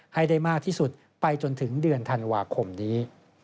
ให้ได้มากที่สุดไปจนถึงเดือนธันวาคมนี้